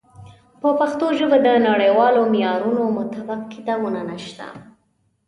په پښتو ژبه د نړیوالو معیارونو مطابق کتابونه نشته.